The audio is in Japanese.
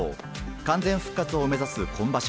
完全復活を目指す今場所。